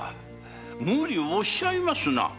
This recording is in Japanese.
無理をおっしゃいますな。